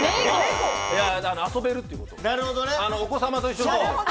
遊べるということ。